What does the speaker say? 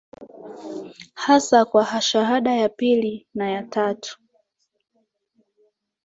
hasa kwa shahada ya pili na ya tatu